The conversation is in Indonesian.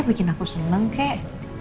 bikin aku seneng kek